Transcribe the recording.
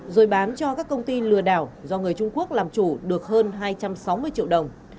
rồi bán cho các công ty lừa đảo do người trung quốc làm chủ được hơn hai trăm sáu mươi triệu đồng